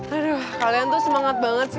aduh kalian tuh semangat banget sih